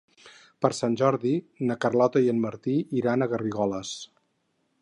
Per Sant Jordi na Carlota i en Martí iran a Garrigoles.